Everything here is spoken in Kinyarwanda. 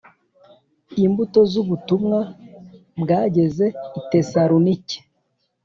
Imbuto z ubutumwa bwageze i tesalonike